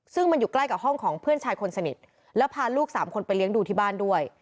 ซึ่งมันอยู่ใกล้กับห้องของเพื่อนชายคนสนิทแล้วพาลูกสามคนไปเลี้ยงดูที่บ้านด้วย